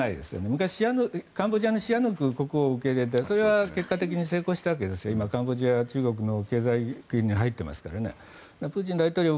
昔、カンボジアの国王を受け入れてそれは結果的に成功したわけですカンボジアは中国の経済圏に入っているので。